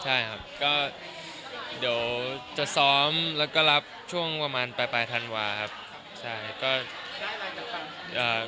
ใช่ครับก็เดี๋ยวจะซ้อมแล้วก็รับช่วงประมาณปลายธันวาค์ครับ